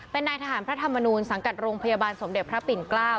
เป็นนายทหารพระธรรมนูลสังกัดโรงพยาบาลสมเด็จพระปิ่นเกล้า